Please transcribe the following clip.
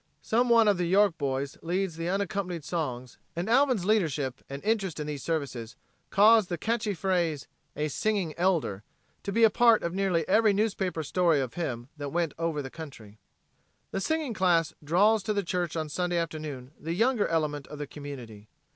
Some one of the York boys leads the unaccompanied songs, and Alvin's leadership and interest in these services caused the catchy phrase, "a singing Elder," to be a part of nearly every newspaper story of him that went over the country. The singing class draws to the church on Sunday afternoon the younger element of the community.